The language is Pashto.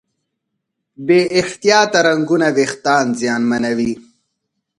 بې احتیاطه رنګونه وېښتيان زیانمنوي.